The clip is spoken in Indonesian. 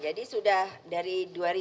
jadi sudah dari dua ribu empat belas